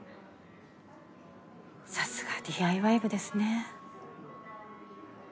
さすがＤＩＹ部ですね。